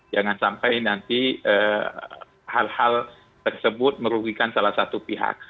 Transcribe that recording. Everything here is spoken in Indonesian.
jangan sampai nanti hal hal tersebut merugikan salah satu pihak